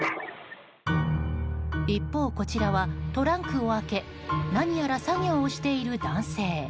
一方、こちらはトランクを開け何やら作業をしている男性。